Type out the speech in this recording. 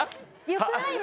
よくない？